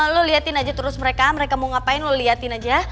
lu liatin aja terus mereka mereka mau ngapain lo liatin aja